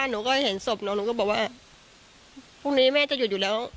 หนูก็เห็นศพน้องหนูก็บอกว่าพรุ่งนี้แม่จะหยุดอยู่แล้ว